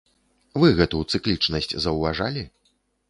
Вы гэту цыклічнасць заўважалі?